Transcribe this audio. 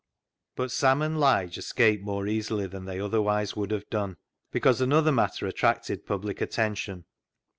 But Sam and Lige escaped more easily than they otherwise would have done, because another matter attracted public attention.